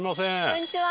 こんにちは。